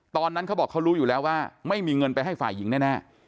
เขาบอกเขารู้อยู่แล้วว่าไม่มีเงินไปให้ฝ่ายหญิงแน่